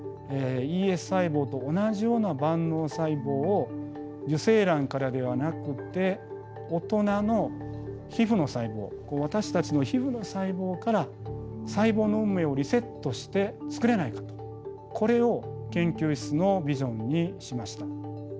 ＥＳ細胞と同じような万能細胞を受精卵からではなくて大人の皮ふの細胞私たちの皮ふの細胞から細胞の運命をリセットしてつくれないかとこれを研究室のビジョンにしました。